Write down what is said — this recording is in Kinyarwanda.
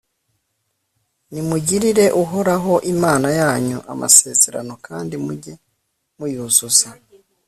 nimugirire uhoraho imana yanyu amasezerano kandi mujye muyuzuza